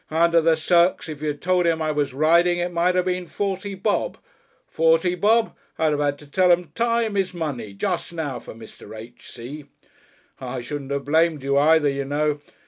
Under the Circs, if you'd told him I was riding it might have been forty bob! Forty bob! I'd have had to tell 'em Time is Money. Just now for Mr. H. C. "I shouldn't have blamed you either, you know.